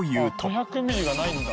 ５００ミリがないんだ。